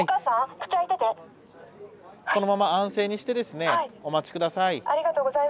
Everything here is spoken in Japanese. このまま安静にしてですねお待ち下さい。